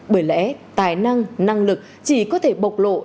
bởi lẽ tài năng năng lực chỉ có thể bộc lộ